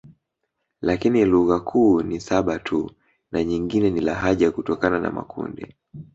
Lakini lugha kuu ni saba tu na nyingine ni lahaja kutokana na makundi